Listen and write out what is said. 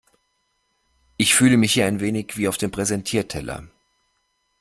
Ich fühle mich hier ein wenig wie auf dem Präsentierteller.